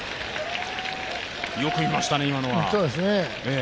よく見ましたね、今のは。